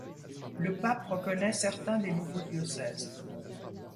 Le pape reconnait certains des nouveaux diocèses.